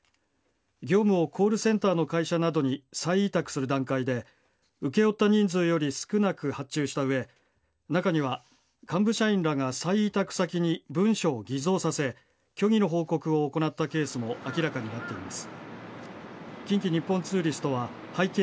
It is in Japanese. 業務をコールセンター会社などに再委託する段階で請負った人数より少なく発注した上中には幹部社員らが再委託先に文書を偽造させ虚偽の報告を行ったケースも明らかになっています。